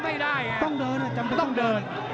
ไม่เดินไม่ได้